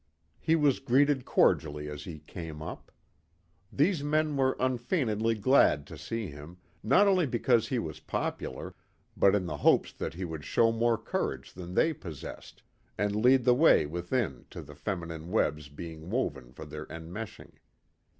He was greeted cordially as he came up. These men were unfeignedly glad to see him, not only because he was popular, but in the hopes that he would show more courage than they possessed, and lead the way within to the feminine webs being woven for their enmeshing.